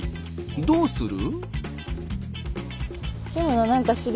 どうする？